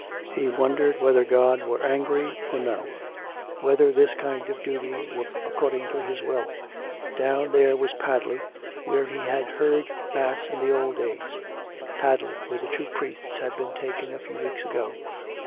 ... He 426 COME RACK! COME ROPE! wondered whether God were angry or no. Whether this kind of duty were according to His will. Down there was Padley, where he had heard mass in the old days; Padley, where the two priests had been taken a few weeks ago.